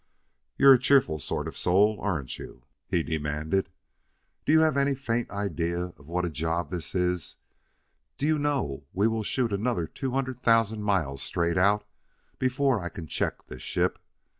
"You're a cheerful sort of soul, aren't you?" he demanded. "Do you have any faint idea of what a job this is? Do you know we will shoot another two hundred thousand miles straight out before I can check this ship?